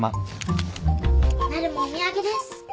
なるもお土産です。